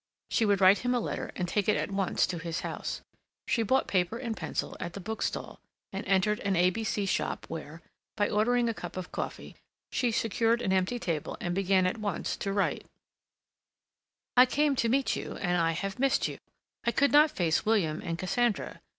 She would write him a letter and take it at once to his house. She bought paper and pencil at the bookstall, and entered an A.B.C. shop, where, by ordering a cup of coffee, she secured an empty table, and began at vice to write: "I came to meet you and I have missed you. I could not face William and Cassandra.